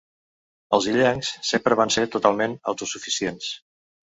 Els illencs sempre van ser totalment autosuficients.